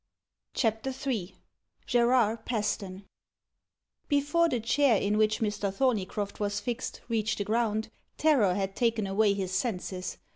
CHAPTER III GERARD PASTON Before the chair, in which Mr. Thorneycroft was fixed, reached the ground, terror had taken away his senses.